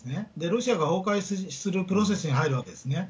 ロシアが崩壊するプロセスに入るわけですね。